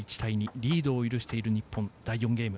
リードを許している日本第４ゲーム。